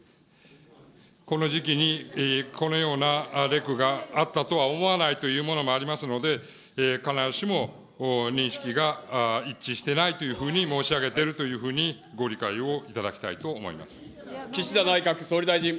この時期にこのようなレクがあったとは思わないというものもありますので、必ずしも認識が一致していないというふうに申し上げているというふうにご理解をいただきたいと思います。